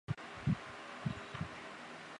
编号按顺序编号数或者编定的号数。